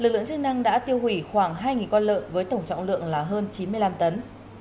lực lượng chức năng đã tiêu hủy khoảng hai con lợn với tổng trọng lượng là hơn chín mươi năm tấn